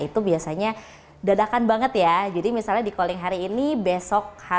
itu biasanya dadakan banget ya jadi misalnya dikolling hari ini besok harus mc gitu kan